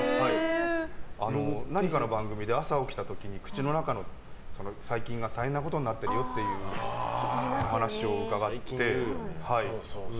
何かの番組で朝、起きた時に口の中の細菌が大変なことになってるよっていうお話を伺って。